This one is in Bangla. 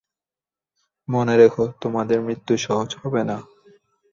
মনে রেখ, তোমাদের মৃত্যু সহজ হবে না।